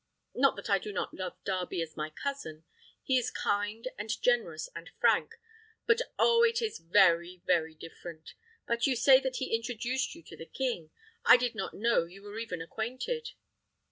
Not that I do not love Darby as my cousin; he is kind, and generous, and frank; but oh!! it is very, very different. But you say that he introduced you to the king; I did not know you were even acquainted."